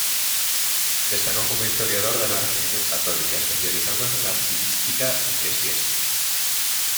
Destacó como historiador de la Religión católica, especializándose en archivística eclesiástica.